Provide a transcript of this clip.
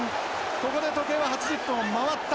ここで時計は８０分を回った。